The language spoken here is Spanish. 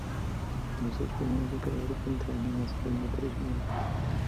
Los dos primeros de cada grupo entraban en las eliminatorias finales.